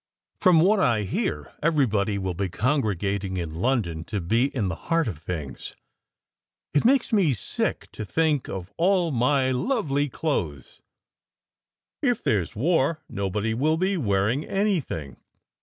From what I hear, everybody will be congregating in London to be in the heart of things. It makes me sick to think of all my lovely clothes! If there s war, nobody will be wearing anything.